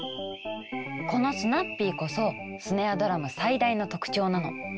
このスナッピーこそスネアドラム最大の特徴なの。